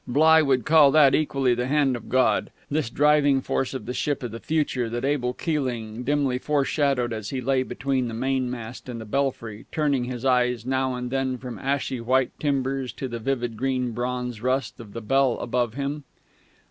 Bligh would call that equally the Hand of God, this driving force of the ship of the future that Abel Keeling dimly foreshadowed as he lay between the mainmast and the belfry, turning his eyes now and then from ashy white timbers to the vivid green bronze rust of the bell above him....